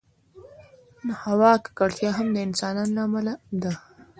د هوا ککړتیا هم د انسانانو له امله ده.